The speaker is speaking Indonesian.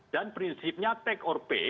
dan prinsipnya take or pay